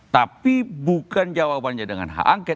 tapi bukan jawabannya dengan hak angket